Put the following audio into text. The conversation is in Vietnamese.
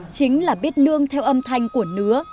chính là biết nương theo âm thanh của nứa